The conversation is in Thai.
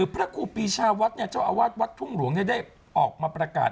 พระครูปีชาวัดเจ้าอาวาสวัดทุ่งหลวงได้ออกมาประกาศ